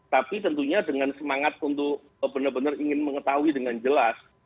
tapi tentunya dengan semangat untuk benar benar ingin mengetahui dengan jelas